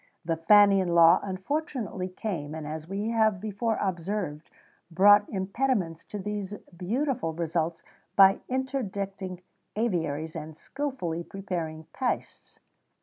[XVII 24] The Fannian law unfortunately came, and, as we have before observed, brought impediments to these beautiful results by interdicting aviaries and skilfully prepared pastes.